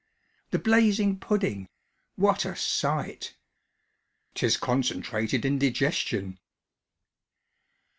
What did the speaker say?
) The blazing pudding what a sight! ('Tis concentrated indigestion!